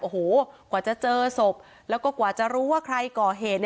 โอ้โหกว่าจะเจอศพแล้วก็กว่าจะรู้ว่าใครก่อเหตุ